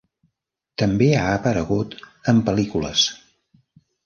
També ha aparegut en pel·lícules.